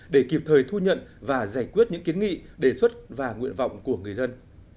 để kịp thời thu nhận và giải quyết những kiến nghị đề xuất và nguyện vọng của người dân